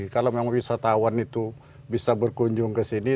kalau memang wisatawan itu bisa berkunjung ke sini